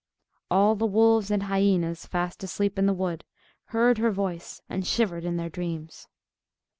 All the wolves and hyenas, fast asleep in the wood, heard her voice, and shivered in their dreams.